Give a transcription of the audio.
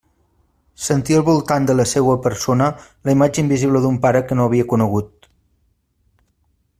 Sentia al voltant de la seua persona la imatge invisible d'un pare que no havia conegut.